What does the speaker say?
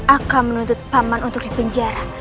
akan menuntut paman untuk dipenjara